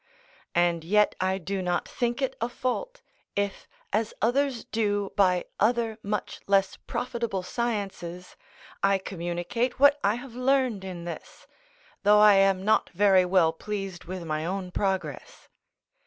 And yet I do not think it a fault, if, as others do by other much less profitable sciences, I communicate what I have learned in this, though I am not very well pleased with my own progress.